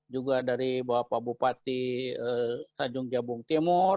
juga dari bapak bupati tanjung jabung timur